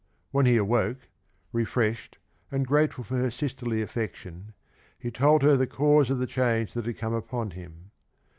When he awoke, refreshed and grateful for her sisterly affection, he told her the cause of the change that had come upon him.